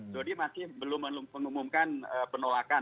jadi masih belum mengumumkan penolakan